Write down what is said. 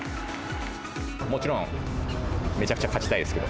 もちろんめちゃくちゃ勝ちたいですけど。